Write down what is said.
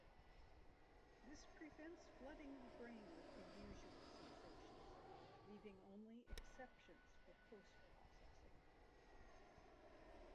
This prevents flooding the brain with the usual sensations, leaving only exceptions for post-processing.